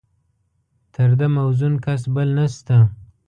تر ده موزون کس بل نشته.